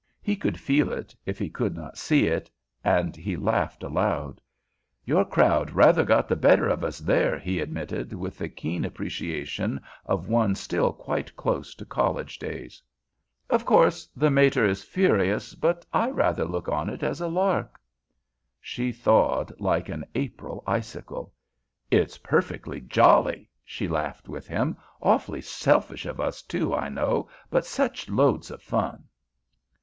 He could feel it, if he could not see it, and he laughed aloud. "Your crowd rather got the better of us there," he admitted with the keen appreciation of one still quite close to college days. "Of course, the mater is furious, but I rather look on it as a lark." She thawed like an April icicle. "It's perfectly jolly," she laughed with him. "Awfully selfish of us, too, I know, but such loads of fun."